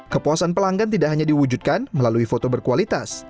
kepuasan pelanggan tidak hanya diwujudkan melalui foto berkualitas